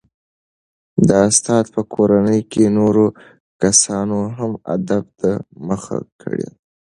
د استاد په کورنۍ کې نورو کسانو هم ادب ته مخه کړې ده.